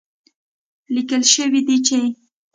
ليکل شوي دي چې